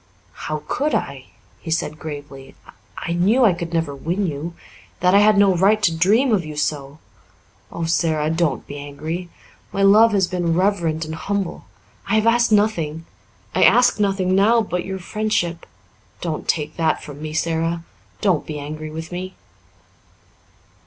"How could I dare?" he said gravely. "I knew I could never win you that I had no right to dream of you so. Oh, Sara, don't be angry! My love has been reverent and humble. I have asked nothing. I ask nothing now but your friendship. Don't take that from me, Sara. Don't be angry with me."